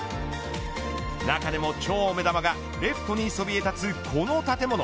中でも超目玉がレフトにそびえ立つこの建物。